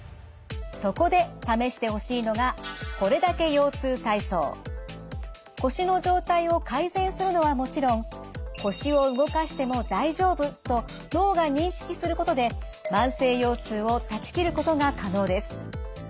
そこで試してほしいのが腰の状態を改善するのはもちろん腰を動かしても大丈夫と脳が認識することで慢性腰痛を断ち切ることが可能です。